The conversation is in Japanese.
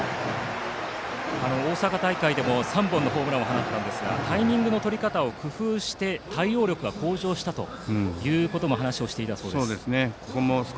大阪大会でも３本のホームランを放ったんですがタイミングの取り方を工夫して対応力が向上したという話もしていたということです。